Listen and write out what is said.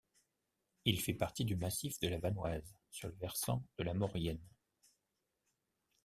Il fait partie du massif de la Vanoise, sur le versant de la Maurienne.